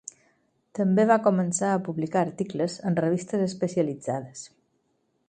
També va començar a publicar articles en revistes especialitzades.